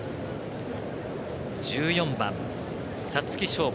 １４番、皐月賞馬